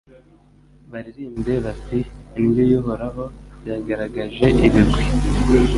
baririmbe bati Indyo y’Uhoraho yagaragaje ibigwi